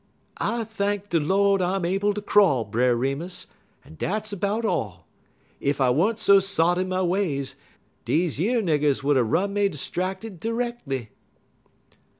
"I thank de Lord I'm able to crawl, Brer Remus, en dat's 'bout all. Ef I wa'n't so sot in my ways, deze yer niggers would er run me 'stracted d'reckly."